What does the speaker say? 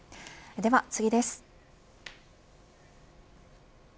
では次です。